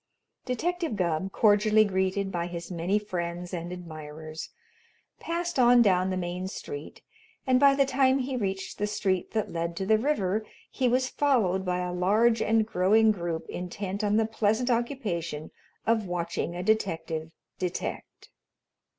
Detective Gubb, cordially greeted by his many friends and admirers, passed on down the main street, and by the time he reached the street that led to the river he was followed by a large and growing group intent on the pleasant occupation of watching a detective detect.